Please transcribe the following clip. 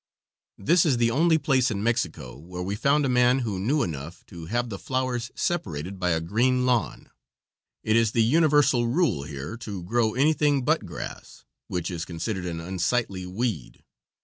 This is the only place in Mexico where we found a man who knew enough to have the flowers separated by a green lawn. It is the universal rule here to grow anything but grass, which is considered an unsightly weed.